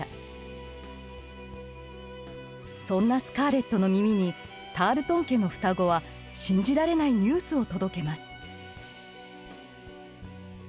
そんなスカーレットの耳にタールトン家の双子は信じられないニュースを届けます。